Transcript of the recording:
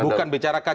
bukan bicara kajian